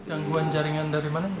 gangguan jaringan dari mana